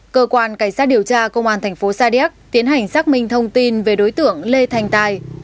cơ quan cảnh sát điều tra công an thành phố sa điếc tiến hành xác minh thông tin về đối tượng lê thành tài